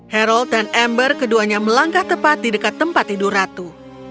hairold dan ember keduanya melangkah tepat di dekat tempat tidur ratu